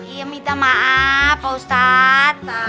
iya minta maaf pak ustadz